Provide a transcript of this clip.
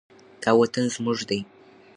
دا وطن زموږ دی.